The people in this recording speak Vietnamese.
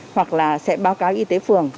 hoặc là sẽ bán